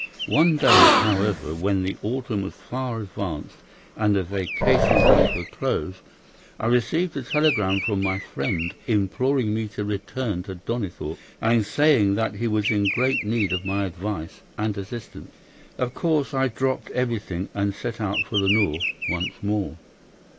One day, however, when the autumn was far advanced and the vacation drawing to a close, I received a telegram from my friend imploring me to return to Donnithorpe, and saying that he was in great need of my advice and assistance. Of course I dropped everything and set out for the North once more.